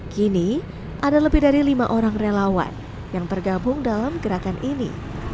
kini ada lebih dari lima orang relawan yang tergabung dalam gerakan ini